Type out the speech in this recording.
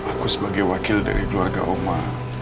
aku sebagai wakil dari keluarga oma